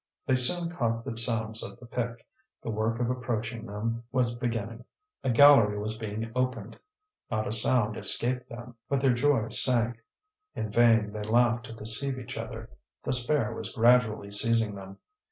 They soon caught the sounds of the pick; the work of approaching them was beginning, a gallery was being opened. Not a sound escaped them. But their joy sank. In vain they laughed to deceive each other; despair was gradually seizing them.